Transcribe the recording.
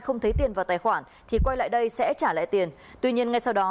không thấy tiền vào tài khoản thì quay lại đây sẽ trả lại tiền tuy nhiên ngay sau đó